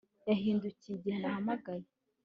Yahindukiye igihe nahamagaye